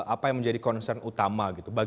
apa yang menjadi concern utama gitu